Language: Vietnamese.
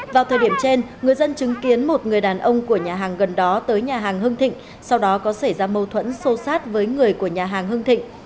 vào thời điểm trên người dân chứng kiến một người đàn ông của nhà hàng gần đó tới nhà hàng hưng thịnh sau đó có xảy ra mâu thuẫn xô xát với người của nhà hàng hưng thịnh